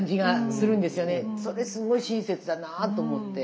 それすごい親切だなぁと思って。